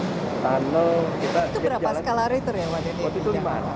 itu berapa skalarator ya